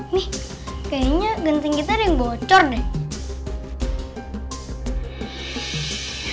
nih kayaknya genting kita ada yang bocor deh